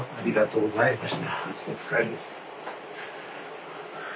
ありがとうございます。